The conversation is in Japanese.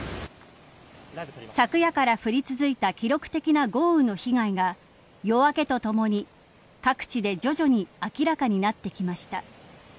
昨夜から降り続いた記録的な豪雨の被害が夜明けとともに各地で徐々に明らかになってきました。